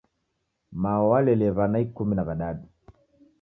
Mao walelie w'ana ikumi na w'adadu.